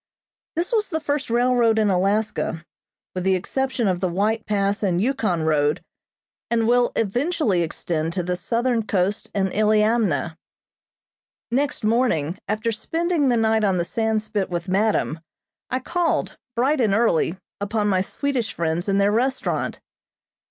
This was the first railroad in Alaska with the exception of the White Pass and Yukon road, and will eventually extend to the southern coast and Iliamna. Next morning, after spending the night on the Sandspit with madam, I called, bright and early, upon my Swedish friends in their restaurant.